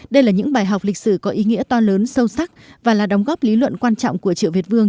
đây là những bài học lịch sử có ý nghĩa to lớn sâu sắc và là đóng góp lý luận quan trọng của triệu việt vương